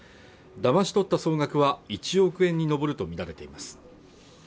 だまし取った総額は１億円に上るとみられています